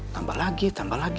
tambah lagi tambah lagi